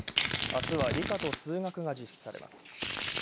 あすは、理科と数学が実施されます。